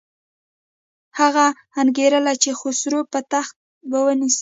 هغه انګېرله چې خسرو به تخت ونیسي.